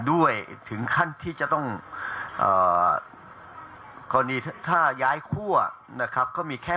ด้วยถึงขั้นที่จะต้องกรณีถ้าย้ายคั่วนะครับก็มีแค่